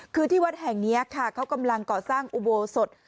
คือที่วัดแห่งนี้ค่ะเขากำลังก่อสร้างอุโบสถ